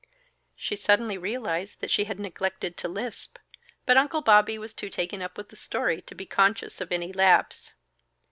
She suddenly realized that she had neglected to lisp, but Uncle Bobby was too taken up with the story to be conscious of any lapse.